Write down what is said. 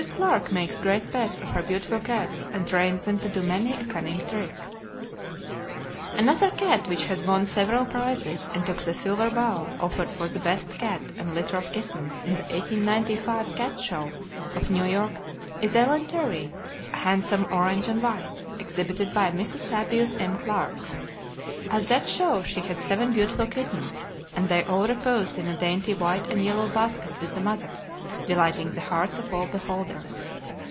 Clarke makes great pets of her beautiful cats, and trains them to do many a cunning trick. Another cat which has won several prizes, and took the silver bowl offered for the best cat and litter of kittens in the 1895 cat show of New York is Ellen Terry, a handsome orange and white, exhibited by Mrs. Fabius M. Clarke. At that show she had seven beautiful kittens, and they all reposed in a dainty white and yellow basket with the mother, delighting the hearts of all beholders.